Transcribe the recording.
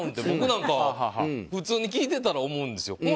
僕なんか普通に聞いてたら思うんですよ。